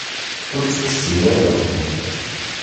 Ur ttbessil ara!